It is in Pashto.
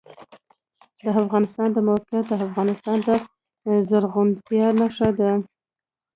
د افغانستان د موقعیت د افغانستان د زرغونتیا نښه ده.